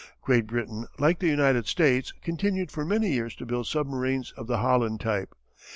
Great Britain like the United States continued for many years to build submarines of the Holland type.